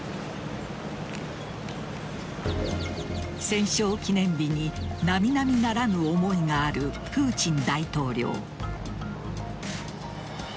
戦勝記念日に並々ならぬ思いがあるプーチン大統領。